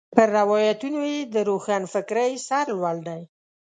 پر روایتونو یې د روښنفکرۍ سر لوړ دی.